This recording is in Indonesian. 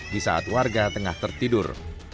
di saat warga tengah tertidur